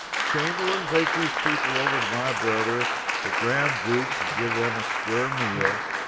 Chamberlain, take these people over to my brother, the Grand Duke's, and give them a square meal.